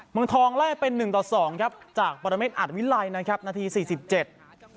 เมืองทองไล่เป็นหนึ่งต่อสองครับจากปรเมฆอัดวิลัยนะครับนาทีสี่สิบเจ็ด